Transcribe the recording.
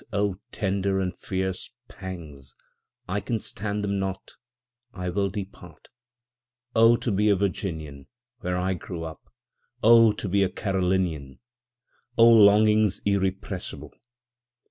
O tender and fierce pangs—I can stand them not—I will depart;O to be a Virginian, where I grew up! O to be a Carolinian!O longings irrepressible!